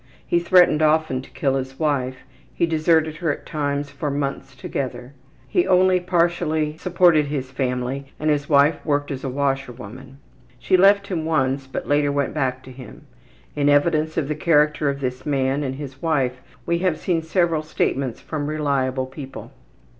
He threatened often to kill his wife. He deserted her at times for months together. He only partially supported his family and his wife worked as a washerwoman. She left him once, but later went back to him. In evidence of the character of this man and his wife we have seen several statements from reliable people.